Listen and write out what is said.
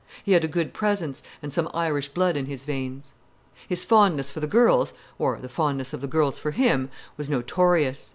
He had a good presence, and some Irish blood in his veins. His fondness for the girls, or the fondness of the girls for him, was notorious.